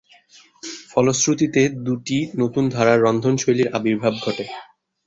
ফলশ্রুতিতে দুটি নতুন ধারার রন্ধনশৈলীর আবির্ভাব ঘটে।